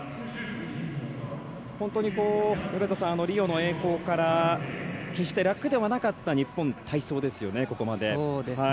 本当にリオの栄光から決して楽ではなかった日本、体操ですよね、ここまで。